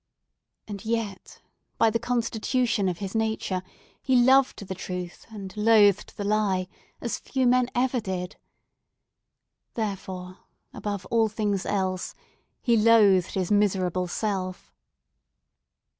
And yet, by the constitution of his nature, he loved the truth, and loathed the lie, as few men ever did. Therefore, above all things else, he loathed his miserable self!